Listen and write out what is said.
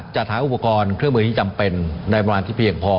จัดหาอุปกรณ์เครื่องมือที่จำเป็นในประมาณที่เพียงพอ